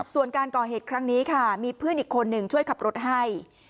ส่วนการก่อเหตุครั้งนี้ค่ะมีเพื่อนอีกคนหนึ่งช่วยขับรถให้